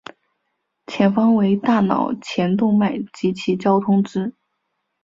前方为大脑前动脉及其交通支。